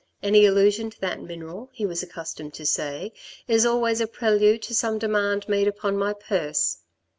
Any allusion to that mineral, he was accustomed to say, is always a prelude to some demand made upon my purse.